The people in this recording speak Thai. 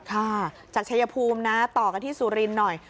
ค่ะจากชายภูมินะต่อกันที่สุรินทร์หน่อย